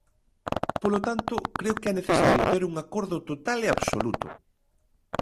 Polo tanto, creo que é necesario ter un acordo total e absoluto.